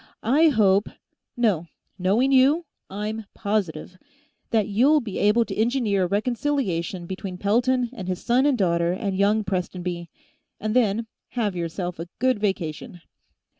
"I hope ... no, knowing you, I'm positive ... that you'll be able to engineer a reconciliation between Pelton and his son and daughter and young Prestonby. And then, have yourself a good vacation."